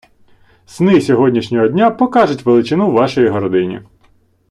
Сни сьогоднішнього дня покажуть величину вашої гордині.